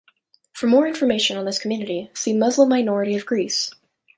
For more information on this community, see Muslim minority of Greece.